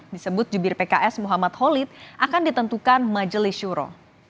disebut jubir pks muhammad khalid akan ditentukan majelis syuro